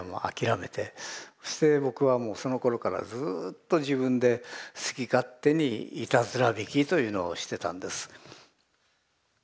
そして僕はもうそのころからずっと自分で好き勝手にいたずら弾きというのをしてたんです。